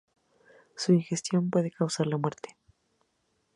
Su ingestión puede causar la muerte.